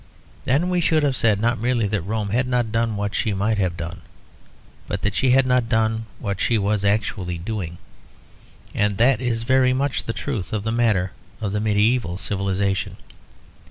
Then we should have said, not merely that Rome had not done what she might have done, but that she had not done what she was actually doing. And that is very much the truth in the matter of the medieval civilisation.